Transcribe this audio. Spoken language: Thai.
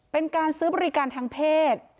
เป็นการซื้อบริการทางเพศ